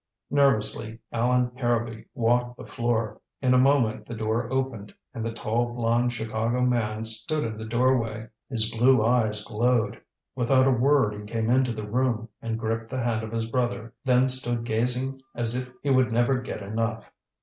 Nervously Allan Harrowby walked the floor. In a moment the door opened, and the tall, blond Chicago man stood in the doorway. His blue eyes glowed. Without a word he came into the room, and gripped the hand of his brother, then stood gazing as if he would never get enough.